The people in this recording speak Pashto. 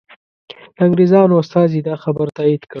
د انګریزانو استازي دا خبر تایید کړ.